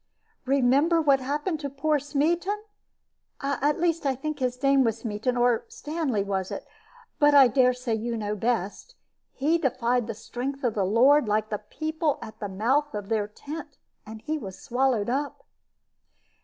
Remember what happened to poor Smeaton at least I think his name was Smeaton, or Stanley, was it? But I dare say you know best. He defied the strength of the Lord, like the people at the mouth of their tent, and he was swallowed up."